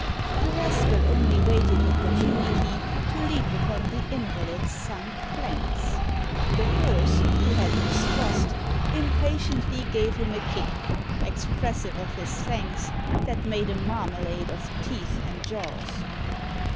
The rascal only waited opportunity To leap upon the invalid's sunk flanks. The Horse, who had mistrust, impatiently Gave him a kick, expressive of his thanks, That made a marmalade of teeth and jaws.